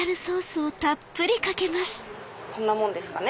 こんなもんですかね。